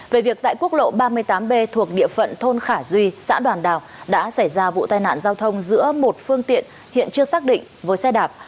về việc tại quốc lộ ba mươi tám b thuộc địa phận thôn khả duy xã đoàn đào đã xảy ra vụ tai nạn giao thông giữa một phương tiện hiện chưa xác định với xe đạp